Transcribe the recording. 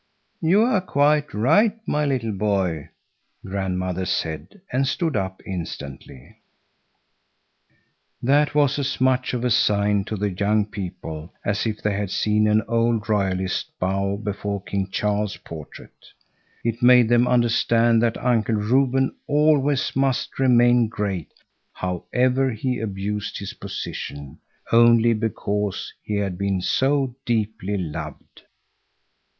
"You are quite right, my little boy," grandmother said, and stood up instantly. That was as much of a sign to the young people as if they had seen an old Royalist bow before King Charles's portrait. It made them understand that Uncle Reuben always must remain great, however he abused his position, only because he had been so deeply loved.